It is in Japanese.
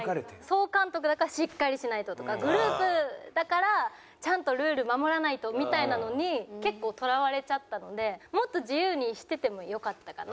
総監督だからしっかりしないととかグループだからちゃんとルール守らないとみたいなのに結構とらわれちゃったのでもっと自由にしててもよかったかなみたいな。